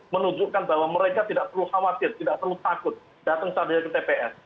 menunjukkan bahwa mereka tidak perlu khawatir tidak perlu takut datang seharusnya ke tps